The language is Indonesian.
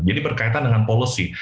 jadi berkaitan dengan policy